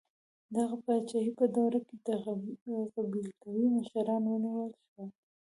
د هغه د پاچاهۍ په دوره کې قبیلوي مشران ونیول شول.